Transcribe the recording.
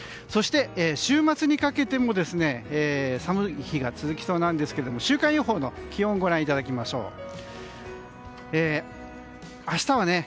そして週末にかけても寒い日が続きそうなんですが週間予報の気温をご覧いただきましょう。